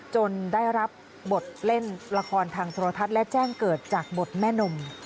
จนได้รับบทเล่นละครทางโทรทัศน์และแจ้งเกิดจากบทแม่นม